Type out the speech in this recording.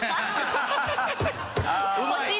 うまい！